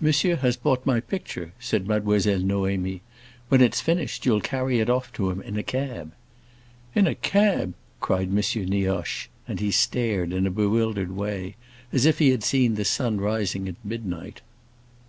"Monsieur has bought my picture," said Mademoiselle Noémie. "When it's finished you'll carry it to him in a cab." "In a cab!" cried M. Nioche; and he stared, in a bewildered way, as if he had seen the sun rising at midnight.